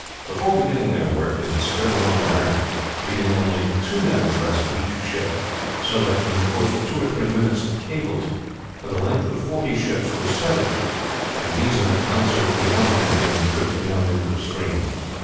Before beginning their work they had spread along the bank, leaving only two men abreast of each ship, so that in the course of two or three minutes the cables for the length of forty ships were severed, and these and their consorts beyond them began to drift out into the stream.